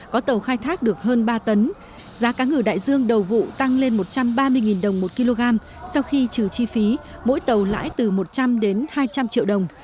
có tàu khai thác được hơn ba tấn giá cá ngừ đại dương đầu vụ tăng lên một trăm ba mươi đồng một kg sau khi trừ chi phí mỗi tàu lãi từ một trăm linh đến hai trăm linh triệu đồng